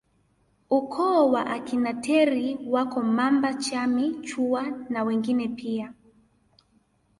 Ukoo wa akina Teri wako Mamba Chami Chuwa na wengine pia